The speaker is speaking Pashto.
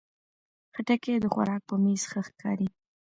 خټکی د خوراک په میز ښه ښکاري.